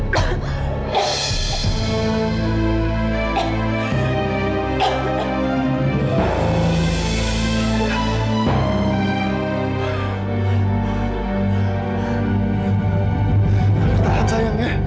kamu tahan sayang ya